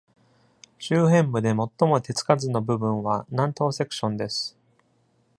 周辺部で最も手つかずの部分は、南東セクションです。